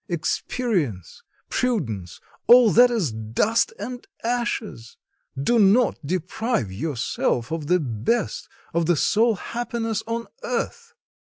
"Experience, prudence, all that is dust and ashes! Do not deprive yourself of the best, of the sole happiness on earth."